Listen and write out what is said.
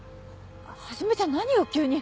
はじめちゃん何よ急に！